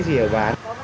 còn năm hôm